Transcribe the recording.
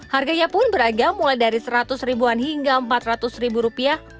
harganya pun beragam mulai dari seratus ribuan hingga empat ratus ribu rupiah